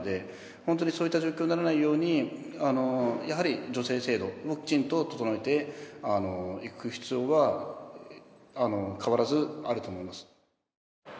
本当にそういった状況にならないようにやはり助成制度をきちんと整えていく必要が変わらずあると思います。